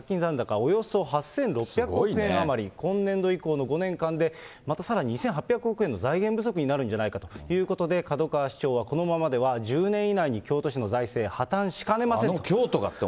およそ８６００億円余り、今年度以降の５年間で、またさらに２８００億円の財源不足になるんじゃないかということで、門川市長は、このままでは１０年以内に京都市の財政破綻しかねませんと。